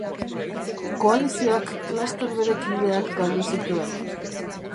Koalizioak laster bere kideak galdu zituen.